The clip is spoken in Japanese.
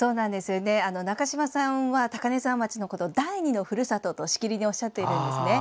中島さんは高根沢町のことを第二のふるさととしきりにおっしゃっているんです。